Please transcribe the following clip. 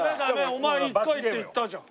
お前１回って言ったじゃん。